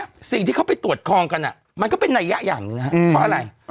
สิ่งที่เขาไปตรวจครองกันมันก็เป็นนัยยะอย่างหนึ่งนะครับเพราะอะไร